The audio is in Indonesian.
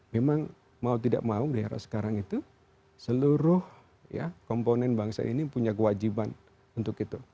memang mau tidak mau di era sekarang itu seluruh komponen bangsa ini punya kewajiban untuk itu